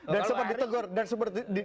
dan seperti ditegur pimpinan